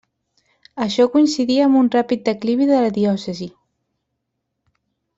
Això coincidí amb un ràpid declivi de la diòcesi.